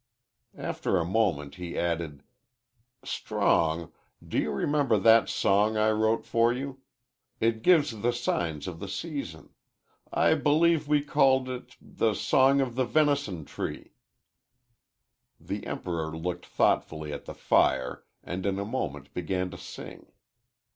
After a moment he added: "Strong, do you remember that song I wrote for you? It gives the signs of the seasons. I believe we called it 'The Song of the Venison Tree.'" The Emperor looked thoughtfully at the fire and in a moment began to sing.